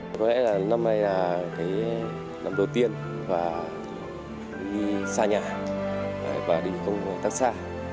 có lẽ là năm nay là cái năm đầu tiên và đi xa nhà và đi công tác xa